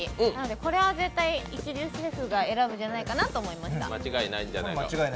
これは絶対一流シェフが選ぶんじゃないかなと思いました。